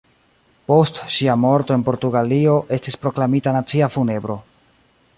Post ŝia morto en Portugalio estis proklamita nacia funebro.